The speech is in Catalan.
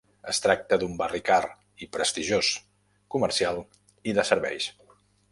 Es tracta d'un barri car i prestigiós, comercial i de serveis.